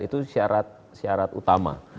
itu syarat utama